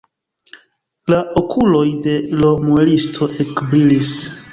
La okuloj de l' muelisto ekbrilis.